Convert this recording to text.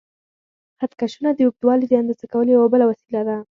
خط کشونه د اوږدوالي د اندازه کولو یوه بله وسیله ده.